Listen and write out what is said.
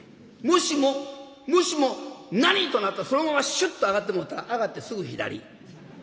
もしももしも『何！』となったらそのままシュッと上がってもうたら上がってすぐ左。